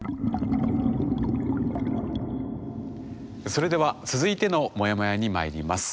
それでは続いてのモヤモヤにまいります。